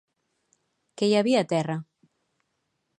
Què hi havia a terra?